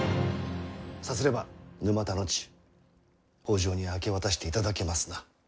さすれば沼田の地北条に明け渡していただけますな？